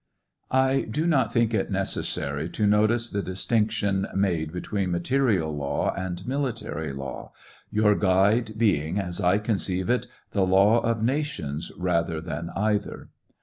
I do not think it necessary to notice the distinction made between material law and military law, your guide being, as I conceive it, the law of nations rathej than either.